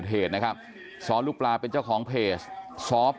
โลกไว้แล้วพี่ไข่โลกไว้แล้วพี่ไข่